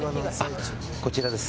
こちらです。